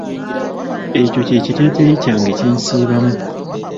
Ekyo kye kiteeteeyi kyange kye nsiibamu.